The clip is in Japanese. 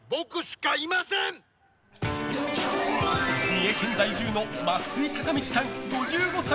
三重県在住の増井孝充さん５５歳。